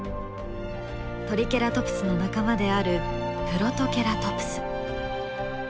トリケラトプスの仲間であるプロトケラトプス。